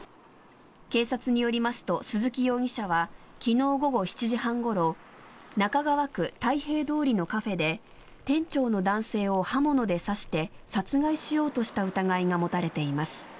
警察によりますと鈴木容疑者は昨日午後７時半ごろ中川区太平通のカフェで店長の男性を刃物で刺して殺害しようとした疑いが持たれています。